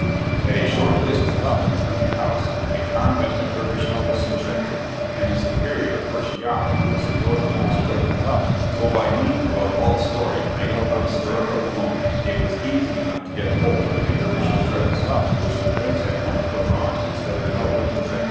At a short distance from the country house, a convent of dervishes was situated, and the superior, or scheih, was the doorkeeper's friend. So by means of a false story made up on the spur of the moment, it was easy enough to get hold of a dervish's dress, which the prince at once put on, instead of his own.